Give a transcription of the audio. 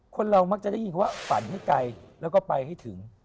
คนเรามักจะได้ยินว่าฝันให้ไกลแล้วก็ไปให้ถึง